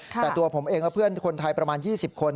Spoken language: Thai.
แต่ตัวผมเองและเพื่อนคนไทยประมาณ๒๐คน